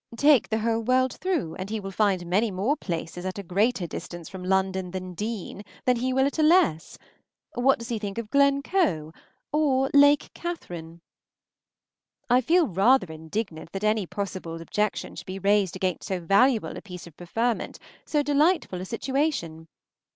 Take the whole world through, and he will find many more places at a greater distance from London than Deane than he will at a less. What does he think of Glencoe or Lake Katherine? I feel rather indignant that any possible objection should be raised against so valuable a piece of preferment, so delightful a situation!